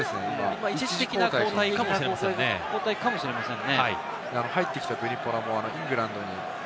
一時的な交代かもしれませんね。